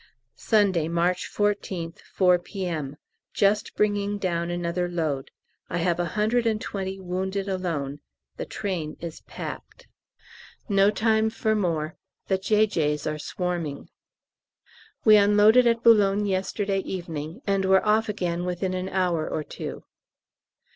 Sunday, March 14th, 4 P.M. Just bringing down another load. I have a hundred and twenty wounded alone; the train is packed. No time for more the J.J.'s are swarming. We unloaded at B. yesterday evening, and were off again within an hour or two.